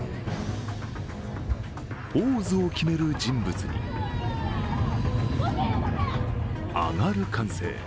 ポーズを決める人物に上がる歓声。